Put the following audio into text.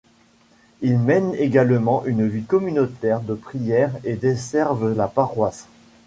Ils mènent également une vie communautaire de prière et desservent la paroisse.